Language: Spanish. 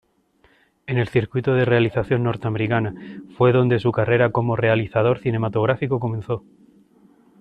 En el circuito de realización norteamericana, fue donde su carrera como realizador cinematográfico comenzó.